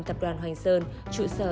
tập đoàn hoành sơn trụ sở